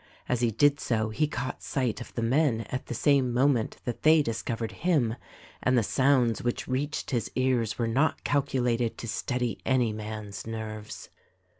As he did so he caught sight of the men at the same moment that they discovered him, and the sounds which reached his ears were not calculated to steady any man's nerves.